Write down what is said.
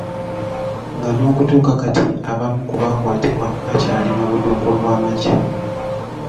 Nga n'okutuuka kati abamu ku baakwatibwa bakyali mu budukulu bw'amagye